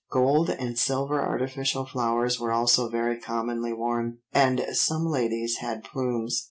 Gold and silver artificial flowers were also very commonly worn, and some ladies had plumes.